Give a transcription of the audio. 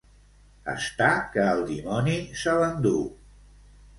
Estar que el dimoni se l'endú.